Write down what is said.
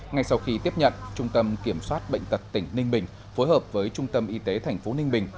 ngay sau khi tiếp nhận trung tâm kiểm soát bệnh tật tỉnh ninh bình phối hợp với trung tâm y tế tp ninh bình